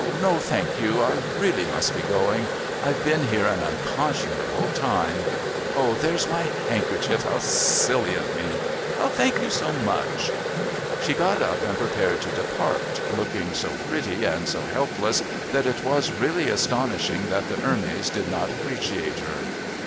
"No, thank you. I really must be going. I've been here an unconscionable time. Oh! there's my handkerchief. How silly of me! Thank you so much!" She got up and prepared to depart, looking so pretty and so helpless that it was really astonishing that the Hermes did not appreciate her.